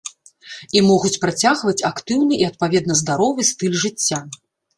І могуць працягваць актыўны і адпаведна здаровы стыль жыцця.